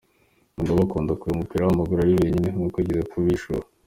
Mugabe akunda kureba umupira w’amaguru ari wenyine, nkuko yigeze kubihishura.